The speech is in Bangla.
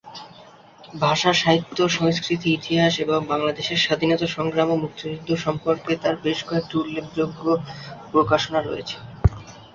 ভাষা, সাহিত্য, সংস্কৃতি, ইতিহাস এবং বাংলাদেশের স্বাধীনতা সংগ্রাম ও মুক্তিযুদ্ধ সম্পর্কে তার বেশ কয়েকটি উল্লেখযোগ্য প্রকাশনা রয়েছে।